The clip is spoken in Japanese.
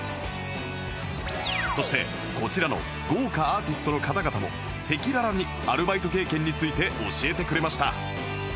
そしてこちらの豪華アーティストの方々も赤裸々にアルバイト経験について教えてくれました